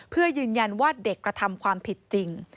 เพื่อยืนยันว่าเด็กกระทำความผิดจริง